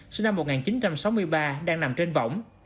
sinh năm một nghìn chín trăm sáu mươi ba đang nằm trên vỏng